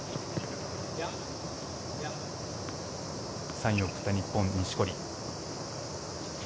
サインを送った日本、錦織。